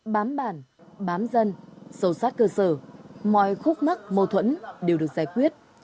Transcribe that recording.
bám bản bám dân sâu sát cơ sở mọi khúc mắc mâu thuẫn đều được giải quyết